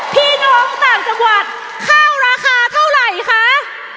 พี่น้องต่างจังหวัดข้าวราคาเท่าไหร่คะ